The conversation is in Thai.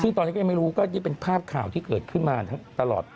ซึ่งตอนนี้ก็ยังไม่รู้ก็นี่เป็นภาพข่าวที่เกิดขึ้นมาตลอด